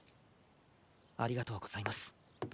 ありがとうございます。